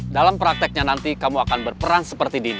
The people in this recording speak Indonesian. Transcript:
dalam prakteknya nanti kamu akan berperan seperti dini